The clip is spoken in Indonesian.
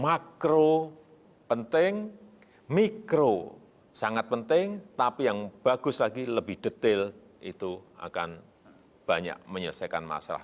makro penting mikro sangat penting tapi yang bagus lagi lebih detail itu akan banyak menyelesaikan masalah